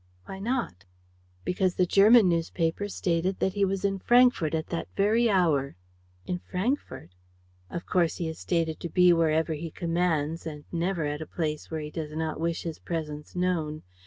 "Why not?" "Because the German newspapers stated that he was in Frankfort at that very hour." "In Frankfort?" "Of course, he is stated to be wherever he commands and never at a place where he does not wish his presence known.